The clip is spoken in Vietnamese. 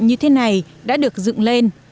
như thế này đã được dựng lên